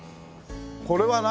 これは何？